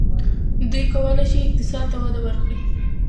دوی کولای شي اقتصاد ته وده ورکړي.